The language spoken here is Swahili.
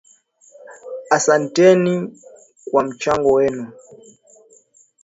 Asanteni kwa mchango wenu.